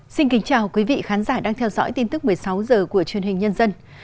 xin kính chào quý vị khán giả đang theo dõi tin tức một mươi sáu h của truyền hình nhân dân